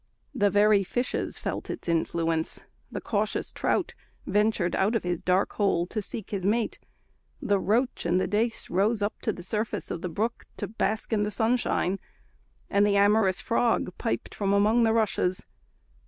The very fishes felt its influence: the cautious trout ventured out of his dark hole to seek his mate, the roach and the dace rose up to the surface of the brook to bask in the sunshine, and the amorous frog piped from among the rushes.